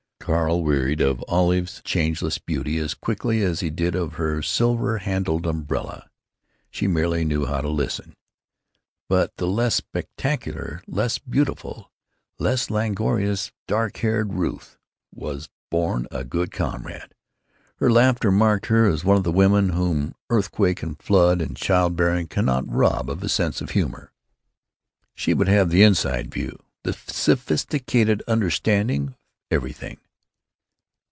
Carl wearied of Olive's changeless beauty as quickly as he did of her silver handled umbrella. She merely knew how to listen. But the less spectacular, less beautiful, less languorous, dark haired Ruth was born a good comrade. Her laughter marked her as one of the women whom earth quake and flood and child bearing cannot rob of a sense of humor; she would have the inside view, the sophisticated understanding of everything.